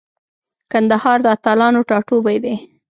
کندهار د اتلانو ټاټوبی دی.